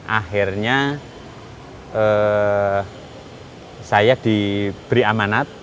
akhirnya saya diberi amanat